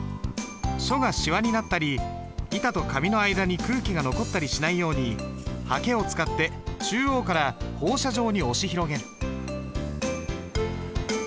書がしわになったり板と紙の間に空気が残ったりしないようにはけを使って中央から放射状に押し広げる。